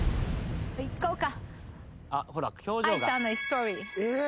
いこうか。